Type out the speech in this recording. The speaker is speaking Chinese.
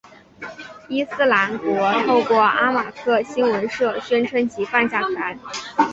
伊斯兰国透过阿马克新闻社宣称其犯下此案。